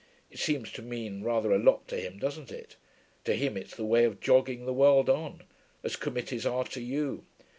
It seems to mean rather a lot to him, doesn't it? To him it's the way of jogging the world on. As committees are to you.'